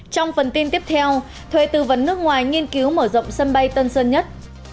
trong phần tin tiếp theo thuê tư vấn nước ngoài nghiên cứu mở rộng sân bay tân sơn nhất